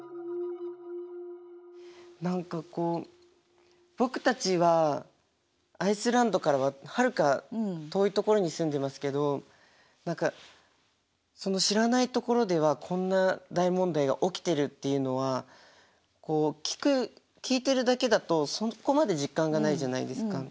何かこう僕たちはアイスランドからははるか遠い所に住んでますけど知らない所ではこんな大問題が起きているっていうのは聞いてるだけだとそこまで実感がないじゃないですか。